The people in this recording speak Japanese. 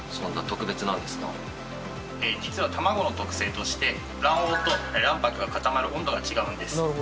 実は卵の特性として卵黄と卵白が固まる温度が違うんです。